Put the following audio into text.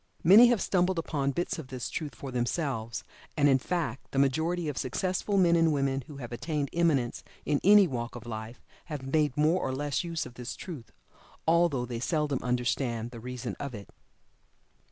Many have stumbled upon bits of this truth for themselves, and, in fact, the majority of successful men and men who have attained eminence in any walk of life have made more or less use of this truth, although they seldom understand the reason of it.